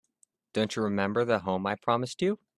Don't you remember the home I promised you?